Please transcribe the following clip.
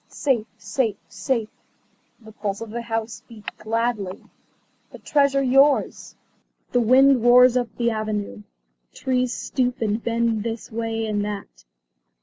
"Safe, safe, safe," the pulse of the house beat gladly. "The Treasure yours." The wind roars up the avenue. Trees stoop and bend this way and that.